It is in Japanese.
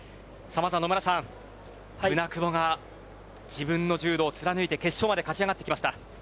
野村さん、舟久保が自分の柔道を貫いて決勝まで勝ち上がってきました。